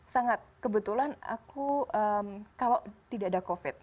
sangat kebetulan aku kalau tidak ada covid